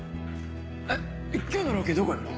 えっ今日のロケどこ行くの？